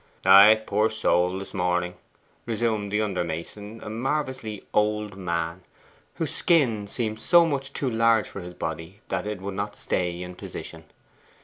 'Ay, poor soul, this morning,' resumed the under mason, a marvellously old man, whose skin seemed so much too large for his body that it would not stay in position.